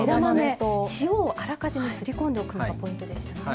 塩をあらかじめすりこんでおくのがポイントでしたね。